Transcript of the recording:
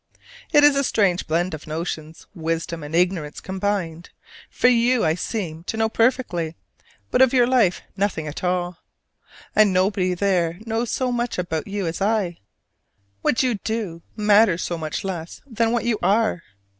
It is a strange blend of notions wisdom and ignorance combined: for you I seem to know perfectly; but of your life nothing at all. And yet nobody there knows so much about you as I. What you do matters so much less than what you are.